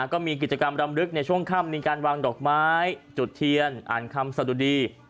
ก็มีกิจกรรมรำลึกในช่วงค่ำมีการวางดอกไม้จุดเทียนอ่านคำสะดุดี